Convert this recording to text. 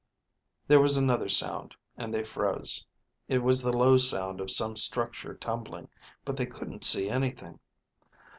There was another sound, and they froze. It was the low sound of some structure tumbling, but they couldn't see anything.